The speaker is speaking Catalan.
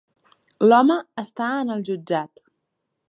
L'home està en el jutjat.